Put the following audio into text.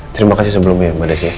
terima kasih sebelumnya mbak desy